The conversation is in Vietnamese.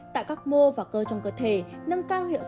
tại các mô và cơ trong cơ thể